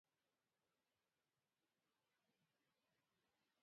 جاپان مرستې هغه هېوادونه ته ځانګړې کوي چې د محصولاتو مصرف کوونکي و اوسي.